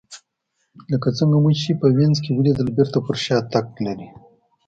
لکه څنګه مو چې په وینز کې ولیدل بېرته پر شا تګ لري